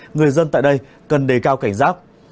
người dân tại đây cần đề cao cảnh rác